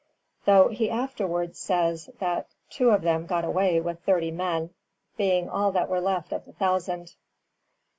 ] though he afterwards says that two of them got away with thirty men, being all that were left of the thousand.